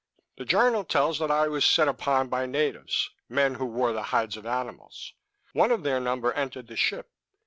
"The journal tells that I was set upon by natives, men who wore the hides of animals. One of their number entered the ship.